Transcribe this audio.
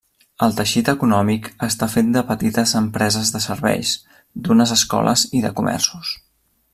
El teixit econòmic està fet de petites empreses de serveis, d’unes escoles i de comerços.